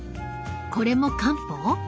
これも漢方？